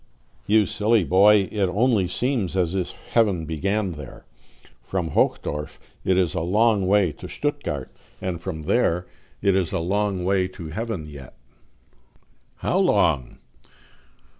"You silly boy, it only seems as if heaven began there. From Hochdorf it is a long way to Stuttgart, and from there it is a long way to heaven yet. "How long?"